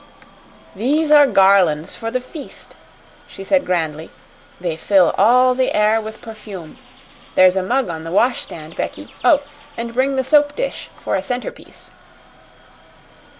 "These are garlands for the feast," she said grandly. "They fill all the air with perfume. There's a mug on the wash stand, Becky. Oh and bring the soap dish for a centerpiece."